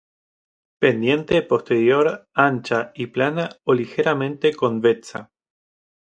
Pendiente posterior ancha y plana o ligeramente convexa.